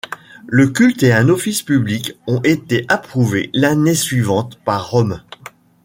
Le culte et un office public ont été approuvés l'année suivante par Rome.